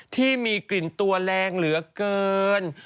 ที่มีกลิ่นตัวแรงเหลือเกิน